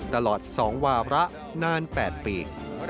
ตลอดสองวาระนานแปดปี